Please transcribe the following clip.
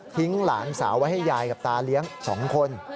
หลานสาวไว้ให้ยายกับตาเลี้ยง๒คน